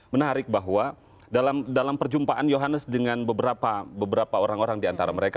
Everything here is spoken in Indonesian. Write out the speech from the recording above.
menarik bahwa dalam perjumpaan yohanes dengan beberapa orang orang diantara mereka